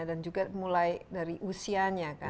dan juga mulai dari usianya kan